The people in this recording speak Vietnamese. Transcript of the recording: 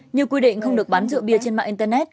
như quy định không được bán rượu bia trên mạng internet